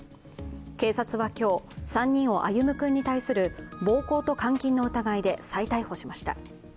警察は今日、３人を歩夢君に対する暴行と監禁の疑いで再逮捕しました。